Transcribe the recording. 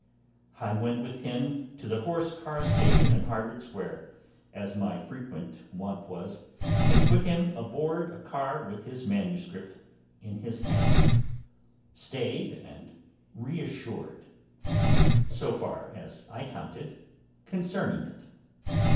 I went with him to the horse car station in Harvard Square, as my frequent wont was, and put him aboard a car with his MS. in his hand, stayed and reassured, so far as I counted, concerning it.